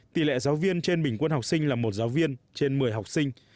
tỷ lệ giáo viên trên bình quân học sinh là một giáo viên trên một mươi học sinh